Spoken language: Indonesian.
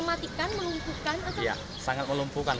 makanya di lubang tanpa pergl necessity